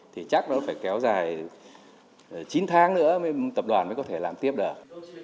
thì chắc nó phải kéo dài chín tháng nữa mới tập đoàn mới có thể làm tiếp được